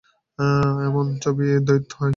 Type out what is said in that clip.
এমন ছবি দৈবাৎ হয়।